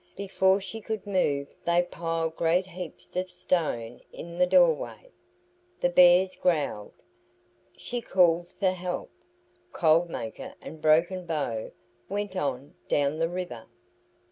Before she could move they piled great heaps of stone in the door way. The bears growled. She called for help. Cold Maker and Broken Bow went on down the river.